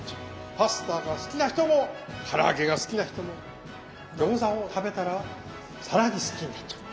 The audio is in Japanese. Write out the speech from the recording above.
パスタが好きな人もからあげが好きな人も餃子を食べたら更に好きになっちゃう。